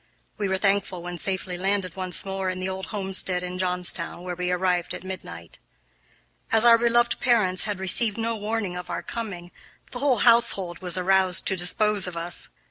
We were thankful when safely landed once more in the old homestead in Johnstown, where we arrived at midnight. As our beloved parents had received no warning of our coming, the whole household was aroused to dispose of us.